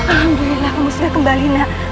alhamdulillah kamu sudah kembali nak